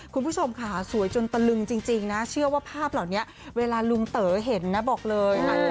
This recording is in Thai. คุณผู้ชมค่ะสวยจนตะลึงจริงนะเชื่อว่าภาพเหล่านี้เวลาลุงเต๋อเห็นนะบอกเลย